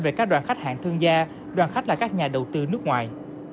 về các đoàn khách hạng thương gia đoàn khách là các nhà đầu tư nước ngoài